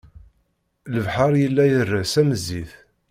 Lebḥer yella ires am zzit